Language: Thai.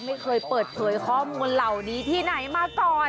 ไม่เคยเปิดเผยข้อมูลเหล่านี้ที่ไหนมาก่อน